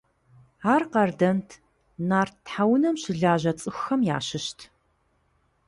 Ар къардэнт, нарт тхьэунэм щылажьэ цӀыхухэм ящыщт.